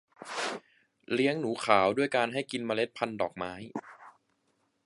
เลี้ยงหนูขาวด้วยการให้กินเมล็ดพันธ์ดอกไม้